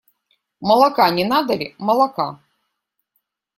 Молока не надо ли, молока?